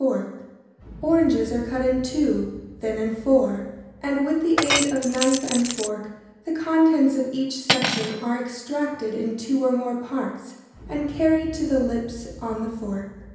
] Oranges are cut in two, then in four, and with the aid of knife and fork the contents of each section are extracted in two or more parts, and carried to the lips on the fork.